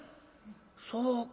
そうか。